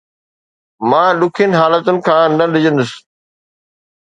مان ڏکين حالتن کان نه ڊڄندس